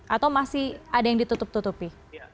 atau masih ada yang ditutup tutupi